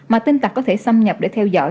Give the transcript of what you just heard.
mà tin tặc có thể xâm nhập để theo dõi